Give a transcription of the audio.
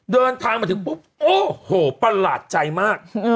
เดินทางมาถึงปุ๊บโอ้โหประหลาดใจมาก